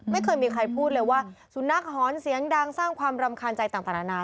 ไม่เคยมีใครพูดเลยว่าสุนัขหอนเสียงดังสร้างความรำคาญใจต่างนานา